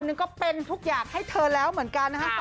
นึงก็เป็นทุกอย่างให้เธอแล้วเหมือนกันนะฮะ